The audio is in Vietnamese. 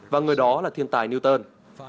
và người đó là thiên tài newton